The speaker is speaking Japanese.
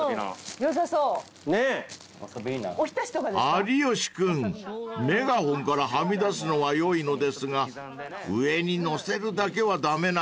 ［有吉君メガホンからはみ出すのはよいのですが上に載せるだけは駄目なんですって］